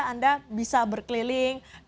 anda bisa berkeliling